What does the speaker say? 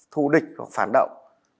thu địch phản động